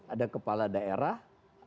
ada kepala daerah